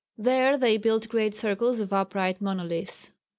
There they built great circles of upright monoliths.